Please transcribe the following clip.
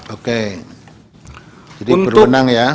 oke jadi berwenang ya